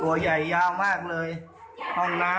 ตัวใหญ่ยาวมากเลยห้องน้ำ